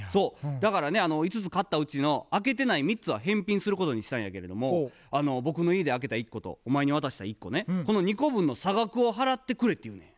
だからね５つ買ったうちの開けてない３つは返品することにしたんやけれども僕の家で開けた１個とお前に渡した１個ねこの２個分の差額を払ってくれって言うのや。